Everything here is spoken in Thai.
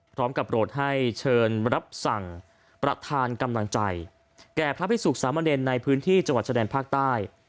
โปรดให้เชิญรับสั่งประธานกำลังใจแก่พระพิสุขสามเณรในพื้นที่จังหวัดชะแดนภาคใต้